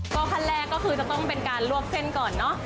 ก็ขั้นแรกก็คือจะต้องเป็นการลวกเส้นก่อนเนอะ